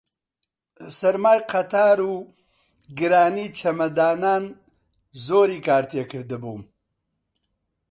سەرمای قەتار و گرانی چەمەدانان زۆری کار تێ کردبووم